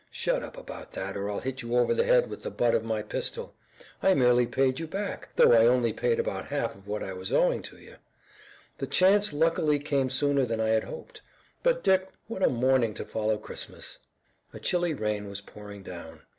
"Shut up about that, or I'll hit you over the head with the butt of my pistol. I merely paid back, though I only paid about half of what I was owing to you. The chance luckily came sooner than I had hoped. But, Dick, what a morning to follow Christmas." A chilly rain was pouring down.